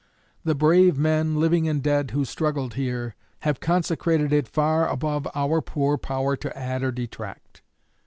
The brave men, living and dead, who struggled here, have consecrated it, far above our poor power to add or detract.